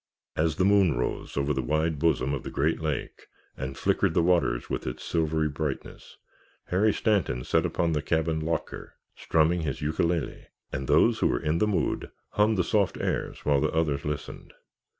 As the moon rose over the wide bosom of the great lake and flickered the waters with its silvery brightness, Harry Stanton sat upon the cabin locker, strumming his ukulele, and those who were in the mood hummed the soft airs while the others listened.